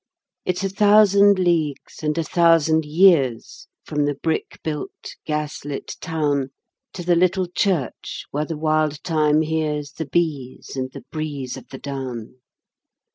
It's a thousand leagues and a thousand years From the brick built, gas lit town To the little church where the wild thyme hears The bees and the breeze of the down.